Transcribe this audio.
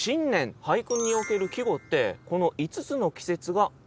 俳句における季語ってこの五つの季節がある。